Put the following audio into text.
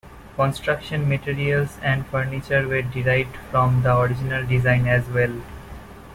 Construction materials and furniture were derived from the original design as well.